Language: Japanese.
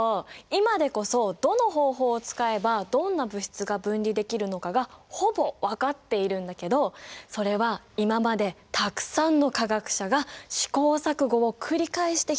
今でこそどの方法を使えばどんな物質が分離できるのかがほぼ分かっているんだけどそれは今までたくさんの化学者が試行錯誤を繰り返してきたからなんだよ。